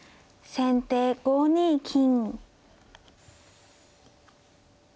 先手４二金。